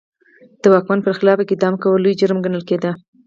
د واکمن پر خلاف اقدام کول لوی جرم ګڼل کېده.